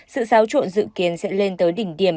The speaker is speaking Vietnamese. sự xáo trộn dự kiến sẽ lên tới đỉnh điểm